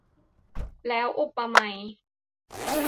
แล้ว อุปไมย